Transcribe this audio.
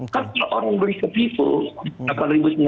kan kalau orang beli ke pipo rp delapan sembilan ratus